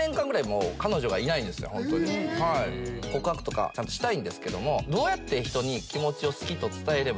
えっ⁉告白とかちゃんとしたいんですけども。